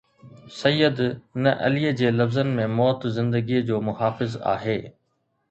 سيد نه عليءَ جي لفظن ۾ موت زندگيءَ جو محافظ آهي.